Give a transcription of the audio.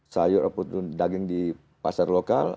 sayur ataupun daging di pasar lokal